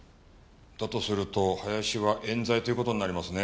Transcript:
だとすると林は冤罪という事になりますね。